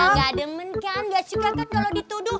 enggak demen kan enggak suka kan kalau dituduh